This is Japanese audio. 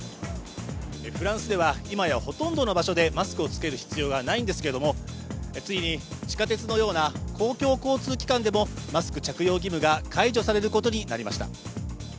フランスでは今やほとんどの場所でマスクを着ける必要はないんですけれども、ついに地下鉄のような公共交通機関でもマスク着用義務が解除されることになりました。